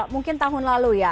mungkin tahun lalu ya